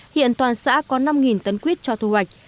hiện toàn xã có năm tấn quýt cho thu hoạch